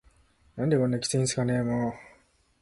「何でこんなキツいんすかねぇ～も～…」